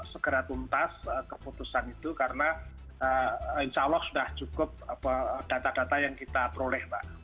segera tuntas keputusan itu karena insya allah sudah cukup data data yang kita peroleh mbak